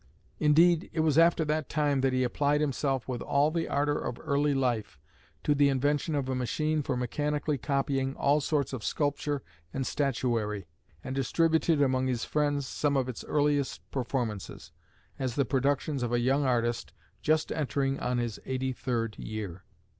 Indeed, it was after that time that he applied himself, with all the ardour of early life, to the invention of a machine for mechanically copying all sorts of sculpture and statuary; and distributed among his friends some of its earliest performances, as the productions of a young artist just entering on his eighty third year.